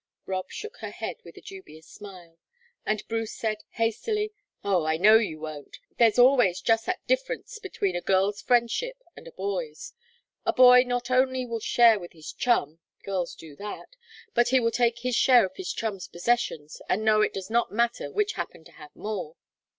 Rob shook her head with a dubious smile, and Bruce said, hastily: "Oh, I know you won't! There's always just that difference between a girl's friendship and a boy's. A boy not only will share with his chum girls do that but he will take his share of his chum's possessions, and know it does not matter which happened to have more."